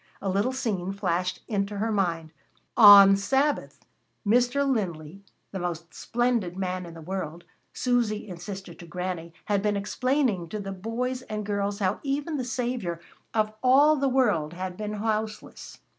A little scene flashed into her mind: On Sabbath, Mr. Linley, the most splendid man in the world, Susy insisted to Granny, had been explaining to the boys and girls how even the Saviour of all the world had been houseless.